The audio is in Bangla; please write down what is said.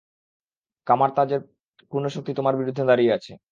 কামার-তাজের পূর্ণ শক্তি তোমার বিরুদ্ধে দাঁড়িয়ে আছে।